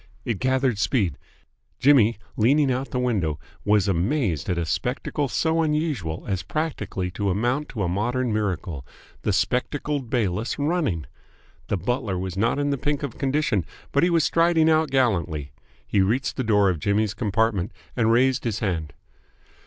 It gathered speed. Jimmy, leaning out the window, was amazed at a spectacle so unusual as practically to amount to a modern miracle the spectacled Bayliss running. The butler was not in the pink of condition, but he was striding out gallantly. He reached the door of Jimmy's compartment, and raised his hand.